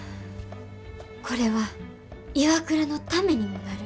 これはＩＷＡＫＵＲＡのためにもなる。